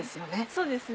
そうですね。